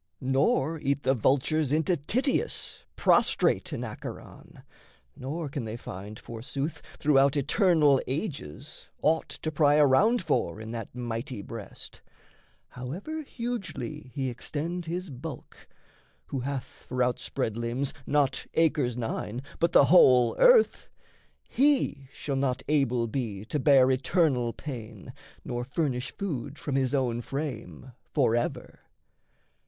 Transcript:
Nor eat the vultures into Tityus Prostrate in Acheron, nor can they find, Forsooth, throughout eternal ages, aught To pry around for in that mighty breast. However hugely he extend his bulk Who hath for outspread limbs not acres nine, But the whole earth he shall not able be To bear eternal pain nor furnish food From his own frame forever.